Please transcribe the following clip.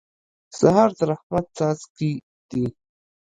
سهار د رحمت څاڅکي دي.